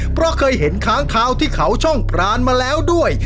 เพราะเคยเห็นค้างคาวที่เขาช่องพรานมาแล้วด้วย